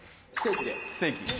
ステーキで。